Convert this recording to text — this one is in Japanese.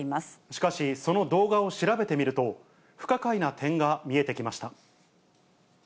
しかし、その動画を調べてみると、不可解な点が見えてきました。